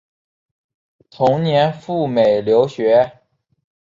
同年赴美留学。